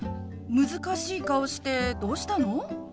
難しい顔してどうしたの？